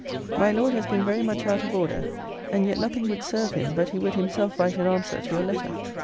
My Lord has been very much out of order: and yet nothing would serve him, but he would himself write an answer to your letter.